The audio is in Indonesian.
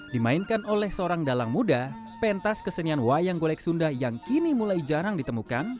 dimainkan oleh seorang dalang muda pentas kesenian wayang golek sunda yang kini mulai jarang ditemukan